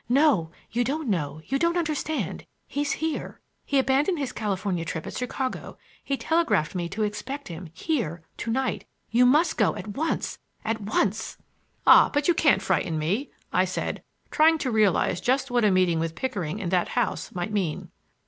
"No—you don't know—you don't understand—he's here; he abandoned his California trip at Chicago; he telegraphed me to expect him—here—to night! You must go at once,—at once!" "Ah, but you can't frighten me," I said, trying to realize just what a meeting with Pickering in that house might mean.